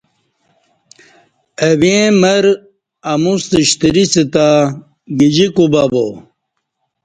اہ ویں مرہ اموستہ شتریس تہ گجی کُبہ ا۔